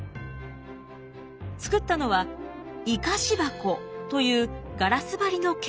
作ったのは活かし箱というガラス張りのケース。